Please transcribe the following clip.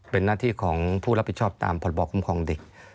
เป็นหน้าที่ของผู้รับผิดชอบตามพรบคุ้มครองเด็ก